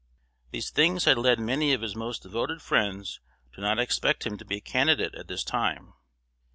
These things had led many of his most devoted friends to not expect him to be a candidate at this time.